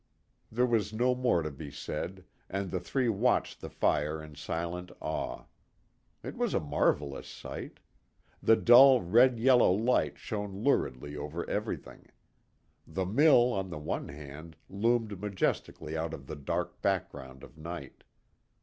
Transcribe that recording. There was no more to be said, and the three watched the fire in silent awe. It was a marvelous sight. The dull red yellow light shone luridly over everything. The mill on the one hand loomed majestically out of the dark background of night.